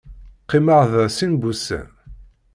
Qqimeɣ da sin wussan.